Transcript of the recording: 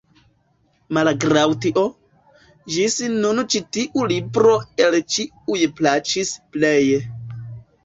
Malgraŭ tio, ĝis nun ĉi tiu libro el ĉiuj plaĉis pleje.